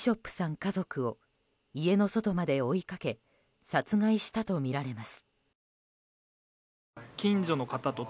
家族を家の外まで追いかけ殺害したとみられます。